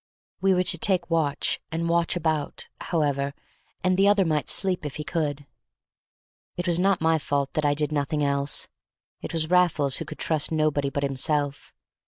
We were to take watch and watch about, however, and the other might sleep if he could; it was not my fault that I did nothing else; it was Raffles who could trust nobody but himself.